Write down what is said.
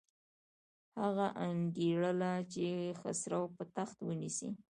هغه انګېرله چې خسرو به تخت ونیسي.